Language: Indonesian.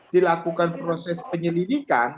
dilakukan proses penyelidikan